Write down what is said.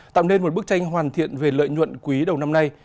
tạo nên một bức tranh hoàn thiện về lợi nhuận quý đầu năm nay